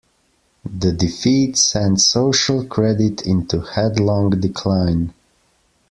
The defeat sent Social Credit into headlong decline.